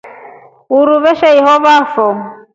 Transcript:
Uruu veshohovafo.